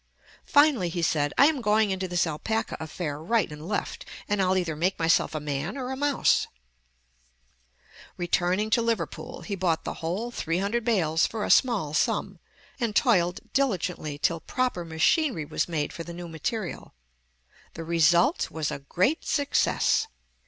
Finally he said, "I am going into this alpaca affair right and left, and I'll either make myself a man or a mouse." [Illustration: SIR TITUS SALT.] Returning to Liverpool, he bought the whole three hundred bales for a small sum, and toiled diligently till proper machinery was made for the new material. The result was a great success.